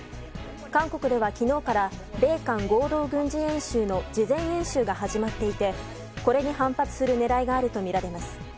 韓国では昨日から米韓合同軍事演習の事前演習が始まっていてこれに反発する狙いがあるとみられます。